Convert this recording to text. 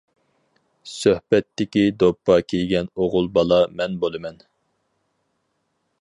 سۆھبەتتىكى دوپپا كىيگەن ئوغۇل بالا مەن بولىمەن.